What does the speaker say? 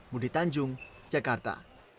budi tanjung jakarta